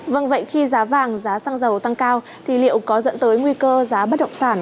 vâng vậy khi giá vàng giá xăng dầu tăng cao thì liệu có dẫn tới nguy cơ giá bất động sản